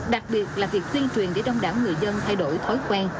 đặc biệt là việc di chuyển để đông đảo người dân thay đổi thói quen